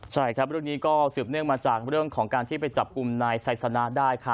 ใช่ครับเรื่องนี้ก็สืบเนื่องมาจากเรื่องของการที่ไปจับกลุ่มนายไซสนะได้ค่ะ